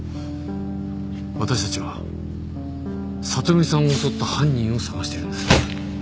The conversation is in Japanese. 私たちはさとみさんを襲った犯人を捜しているんです。